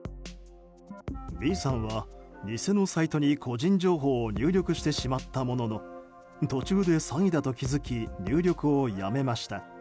Ｂさんは偽のサイトに個人情報を入力してしまったものの途中で詐欺だと気づき入力をやめました。